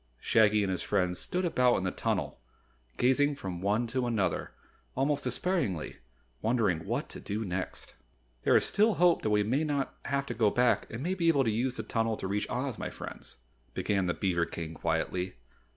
Shaggy and his friends stood about in the tunnel gazing from one to another, almost despairingly, wondering what to do next. "There is still hope that we may not have to go back and may be able to use the tunnel to reach Oz, my friends," began the beaver King quietly.